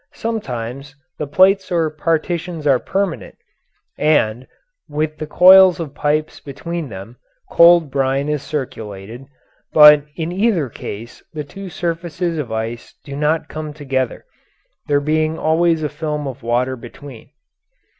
Sometimes the plates or partitions are permanent, and, with the coils of pipes between them, cold brine is circulated, but in either case the two surfaces of ice do not come together, there being always a film of water between.